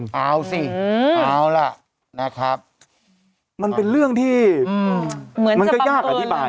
ก็ไม่เอาหรอกนะครับมันเป็นเรื่องที่มีการอธิบาย